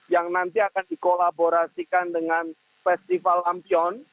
yang nanti akan dikolaborasikan dengan festival lampion